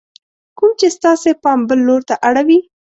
کوم چې ستاسې پام بل لور ته اړوي :